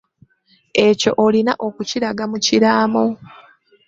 Ekyo olina okukiraga mu kiraamo.